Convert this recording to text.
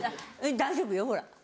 大丈夫よほら。